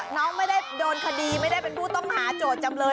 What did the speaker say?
น้องไม่ได้โดนคดีไม่ได้เป็นผู้ต้องหาโจทย์จำเลย